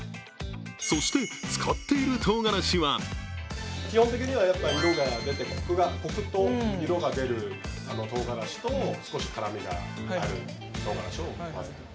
そして、使っているとうがらしは基本的にはコクと色が出るとうがらしと、少し辛みがあるとうがらしを混ぜている。